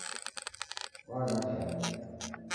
Wanywa chai